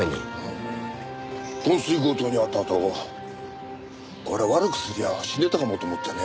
昏睡強盗に遭ったあとこりゃ悪くすりゃ死んでたかもと思ってね。